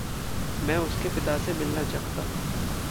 मैं उसके पिता से मिलना चाह्ता हूँ।